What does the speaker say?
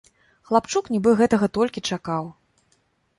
Хлапчук нібы гэтага толькі чакаў.